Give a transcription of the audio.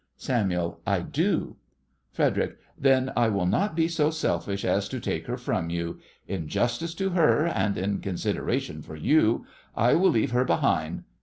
SAMUEL: I do. FREDERIC: Then I will not be so selfish as to take her from you. In justice to her, and in consideration for you, I will leave her behind.